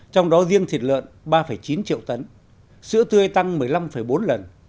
trong đó riêng thịt lợn ba chín triệu tấn sữa tươi tăng một mươi năm bốn lần